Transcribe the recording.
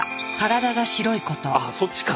あそっちか！